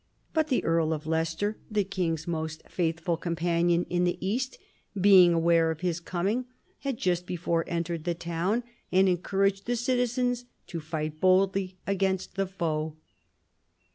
But the earl of Leicester, the king's most faithful in THE FALL OF THE ANGEVINS 57 &> companion in the East, being aware of his coming had just before entered the town and encouraged the citizens to fight boldly against the foe."